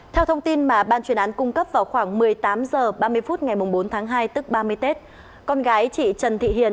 theo thông tin mà ban chuyên án cung cấp vào khoảng một mươi tám h ba mươi phút ngày bốn tháng hai tức ba mươi tết con gái chị trần thị hiền